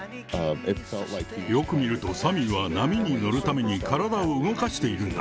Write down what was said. よく見るとサミーは波に乗るために体を動かしているんだ。